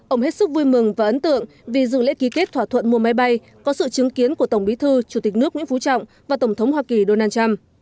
ông hết sức vui mừng và ấn tượng vì dự lễ ký kết thỏa thuận mua máy bay có sự chứng kiến của tổng bí thư chủ tịch nước nguyễn phú trọng và tổng thống hoa kỳ donald trump